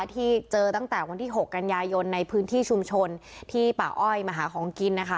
ที่เจอตั้งแต่วันที่๖กันยายนในพื้นที่ชุมชนที่ป่าอ้อยมาหาของกินนะคะ